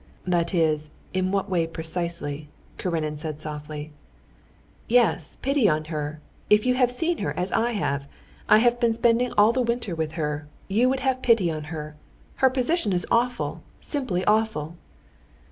"That is, in what way precisely?" Karenin said softly. "Yes, pity on her. If you had seen her as I have!—I have been spending all the winter with her—you would have pity on her. Her position is awful, simply awful!"